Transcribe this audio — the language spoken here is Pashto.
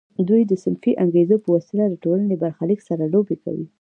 دوی د صنفي انګیزو په وسیله د ټولنې برخلیک سره لوبې کوي